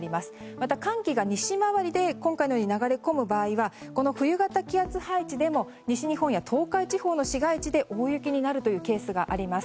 また、寒気が西回りで流れ込む場合はこの冬型気圧配置でも西日本や東海地方の市街地で大雪になるというケースがあります。